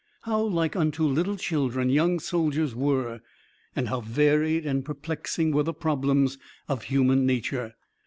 How like unto little children young soldiers were! and how varied and perplexing were the problems of human nature!